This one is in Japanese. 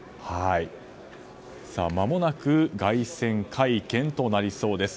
まもなく凱旋会見となりそうです。